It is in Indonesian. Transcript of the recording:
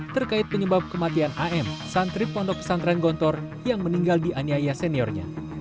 terkait penyebab kematian am santri pondok pesantren gontor yang meninggal dianiaya seniornya